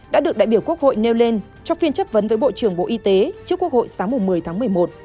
đã được đại biểu quốc hội nêu lên trong phiên chất vấn với bộ trưởng bộ y tế trước quốc hội sáng một mươi tháng một mươi một